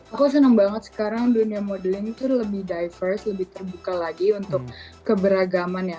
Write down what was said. aku senang banget sekarang dunia modeling itu lebih diverse lebih terbuka lagi untuk keberagaman ya